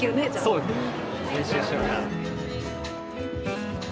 そうですね。